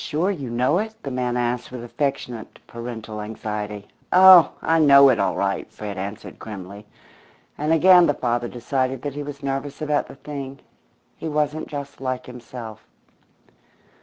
"Sure you know it?" the man asked with affectionate parental anxiety. "Oh, I know it all right," Fred answered grimly, and again the father decided that he was nervous about the thing. He wasn't just like himself.